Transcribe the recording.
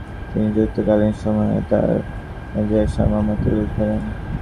তিনি যুদ্ধকালীন সময়ে তাঁর অভিজ্ঞতার সারমর্ম তুলে ধরেন।